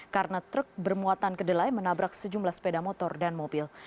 karena truk bermuatan kedelai menabrak sejumlah sepeda motor dan mobil